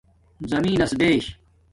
زمین نس بیش